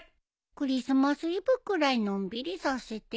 クリスマスイブくらいのんびりさせてよ。